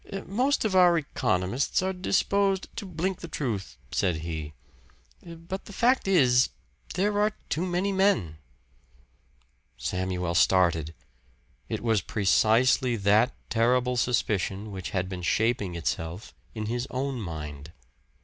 "Most of our economists are disposed to blink the truth," said he. "But the fact is, there are too many men." Samuel started. It was precisely that terrible suspicion which had been shaping itself in his own mind.